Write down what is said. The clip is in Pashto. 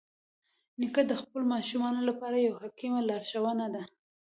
نیکه د خپلو ماشومانو لپاره یوه حکیمه لارښوونه ده.